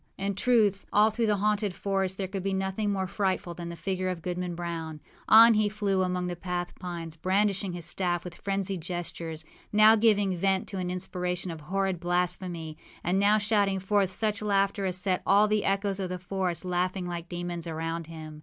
â In truth, all through the haunted forest there could be nothing more frightful than the figure of Goodman Brown. On he flew among the black pines, brandishing his staff with frenzied gestures, now giving vent to an inspiration of horrid blasphemy, and now shouting forth such laughter as set all the echoes of the forest laughing like demons around him.